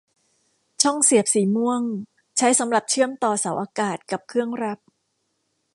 ช่องเสียบสีม่วงใช้สำหรับเชื่อมต่อเสาอากาศกับเครื่องรับ